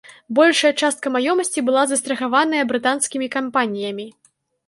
Большая частка маёмасці была застрахаваная брытанскімі кампаніямі.